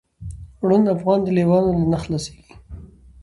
ړوند افغان دی له لېوانو نه خلاصیږي